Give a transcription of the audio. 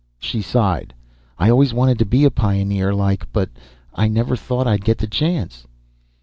She sighed. "I always wanted to be a pioneer, like, but I never thought I'd get the chance."